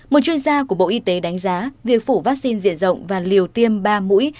một chuyên gia của bộ y tế đánh giá việc phủ vaccine diện rộng và liều tiêm ba mũi